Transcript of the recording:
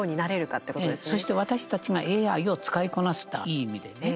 そう、そして私たちがＡＩを使いこなしていい意味でね